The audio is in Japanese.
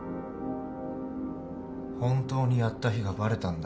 本当にやった日がバレたんだ